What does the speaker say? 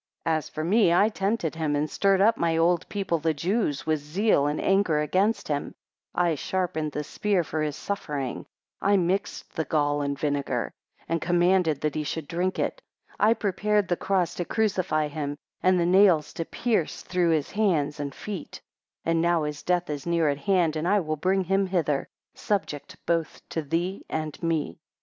9 As for me, I tempted him and stirred up my old people the Jews with zeal and anger against him; 10 I sharpened the spear for his suffering; I mixed the gall and vinegar, and commanded that he should drink it; I prepared the cross to crucify him, and the nails to pierce through his hands and feet; and now his death is near at hand, I will bring him hither, subject both to thee and me.